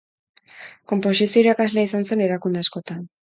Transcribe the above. Konposizio-irakaslea izan zen erakunde askotan.